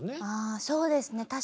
あそうですね